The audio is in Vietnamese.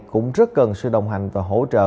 cũng rất cần sự đồng hành và hỗ trợ